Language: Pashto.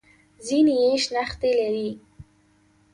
ځینې یې شنختې لري.